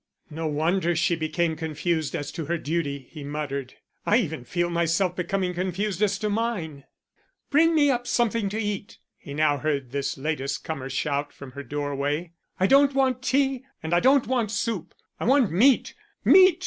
"No wonder she became confused as to her duty," he muttered. "I even feel myself becoming confused as to mine." "Bring me up something to eat," he now heard this latest comer shout from her doorway. "I don't want tea and I don't want soup; I want meat, meat.